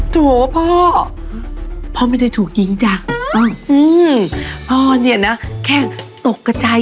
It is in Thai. โถพ่อพ่อไม่ได้ถูกยิงจ้ะอืมพ่อเนี่ยนะแค่ตกกระจาย